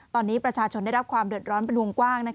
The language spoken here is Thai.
ตอนนี้ประชาชนได้รับความเดือดร้อนเป็นวงกว้าง